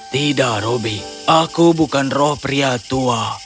tidak roby aku bukan roh pria tua